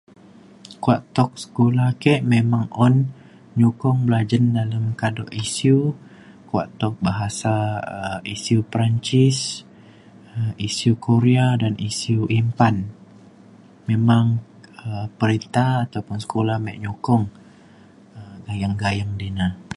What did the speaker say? kuak tuk sekula ke memang un nyukong belajen dalem kado isiu kuak tuk bahasa um isiu Perancis um isiu Korea dan isiu Impan. memang um perinta atau pa sekula me nyokong um gayeng gayeng di na